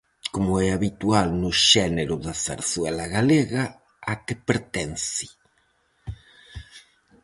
Como é habitual no xénero da zarzuela galega, á que pertence.